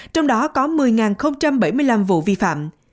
trong đó có một mươi bảy mươi năm vụ vi phạm